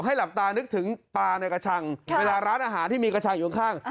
หลับตานึกถึงปลาในกระชังเวลาร้านอาหารที่มีกระชังอยู่ข้าง